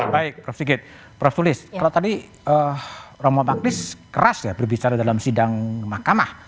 baik prof sigit prof tulis kalau tadi romo taktis keras ya berbicara dalam sidang mahkamah